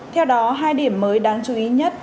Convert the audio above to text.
theo đó hai điểm mới đáng chú ý nhất